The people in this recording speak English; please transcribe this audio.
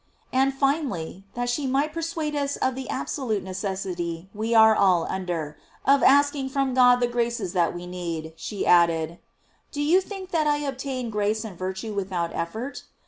And, final ly, that she might persuade us of the absolute necessity we are all under, of asking from God the graces that we need, she added: "Do you think that I obtained grace and virtue without effort?